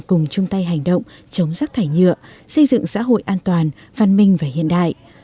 cùng chung tay hành động chống rác thải nhựa xây dựng xã hội an toàn văn minh và hiện đại